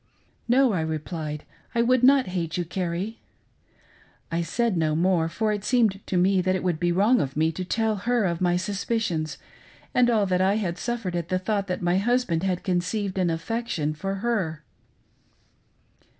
'" "No," I replied, "I would not hate you, Carrie." I said no more, for it seemed to me that it would be wrong of me to tell her of my suspicions and all that I had suffered at the thought that my husband had conceived an affection for her.